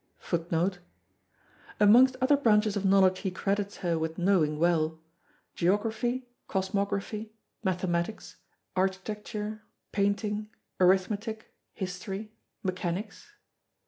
Amongst other branches of knowledge he credits her with knowing well "Geography, Cosmography, Mathematics, Architecture, Painting, Arithmetic, History, Mechanics."